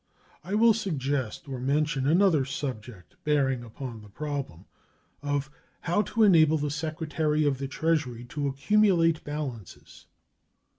I will suggest or mention another subject bearing upon the problem of "how to enable the Secretary of the Treasury to accumulate balances."